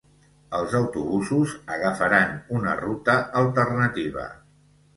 Els autobusos agafaran una ruta alternativa.